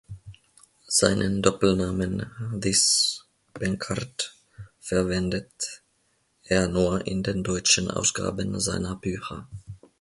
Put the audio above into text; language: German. Seinen Doppelnamen This-Benckhard verwendet er nur in den deutschen Ausgaben seiner Bücher.